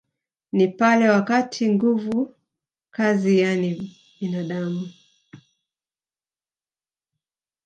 Ni pale wakati nguvu kazi yani binadamu